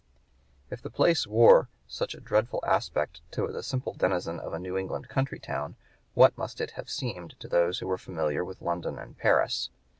If the place wore such a dreadful aspect to the simple denizen of a New England country town, what must it have seemed to those who were familiar with London and Paris?